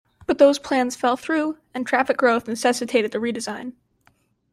But those plans fell through, and traffic growth necessitated a redesign.